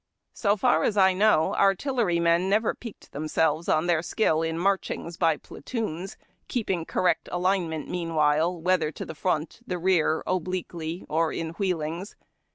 So far as I know, artillerymen never piqued themselves on their skill in marchings by platoons, keeping correct alignment meanwhile, whether to the front, the rear, ob liquely, or in wheelings.